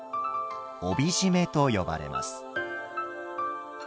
帯締めと呼ばれます。